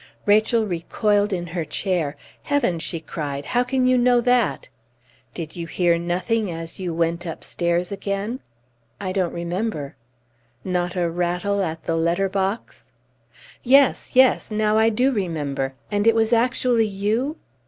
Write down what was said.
Rachel recoiled in her chair. "Heavens!" she cried. "How can you know that?" "Did you hear nothing as you went upstairs again?" "I don't remember." "Not a rattle at the letter box?" "Yes! Yes! Now I do remember. And it was actually you!"